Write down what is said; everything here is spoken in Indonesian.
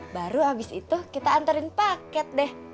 baru abis itu kita anterin paket deh